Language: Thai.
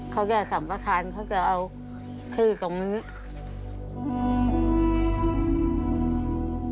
เขาแยกสรรพาคารเขาจะเอาคือกับมือนี้